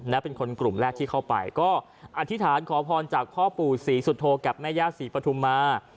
และเป็นคนกลุ่มแรกที่เข้าไปก็อธิษฐานขอพรจากพ่อปู่ศรีสุโธกับแม่ย่าศรีปฐุมา